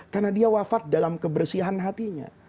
karena dia wafat dalam kebersihan hatinya